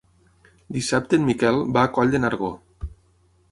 Dissabte en Miquel va a Coll de Nargó.